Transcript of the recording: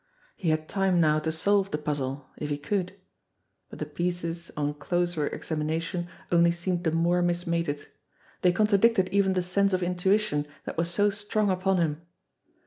He had time now to solve the puzzle if he could. But the pieces on closer examination only seemed the more mis mated. They contradicted even the sense of intuition that was so strong upon him.